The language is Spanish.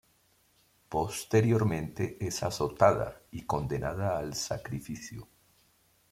Posteriormente es azotada y condenada al sacrificio.